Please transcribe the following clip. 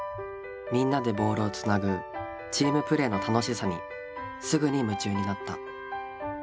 みんなでボールをつなぐチームプレーの楽しさにすぐに夢中になった。